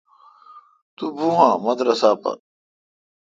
تو بھوں اں مدرسہ پر۔